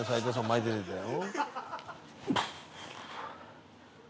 前出てったよ。